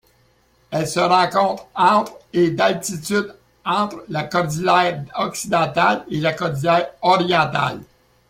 Elle se rencontre entre et d'altitude entre la cordillère Occidentale et la cordillère Orientale.